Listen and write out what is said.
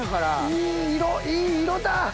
いい色いい色だ！